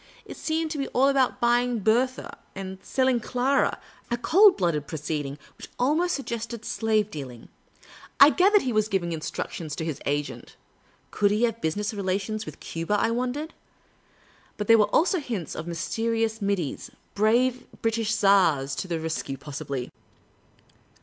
It seemed to be all about buying Bertha and selling Clara — a cold blooded proceeding which almost suggested slave dealing. I gathered he was giving instructions to his agent : could he have business rela tions with Cuba? I wondered. But there were also hints of mysterious middies — brave British tars to the re.s cue, possibly